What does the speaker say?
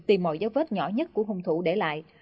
tìm mọi dấu vết nhỏ nhất của hung thủ để lại